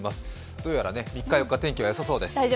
どうやら３日、４日天気は良さそうです。